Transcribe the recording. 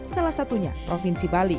salah satunya provinsi bukit